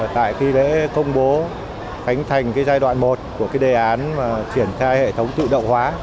tại khi lễ công bố khánh thành giai đoạn một của đề án triển khai hệ thống tự động hóa